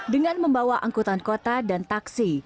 dengan membawa angkutan kota dan taksi